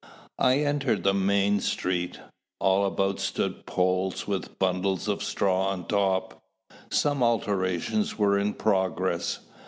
I entered the main street. All about stood poles with bundles of straw on top: some alterations were in progress.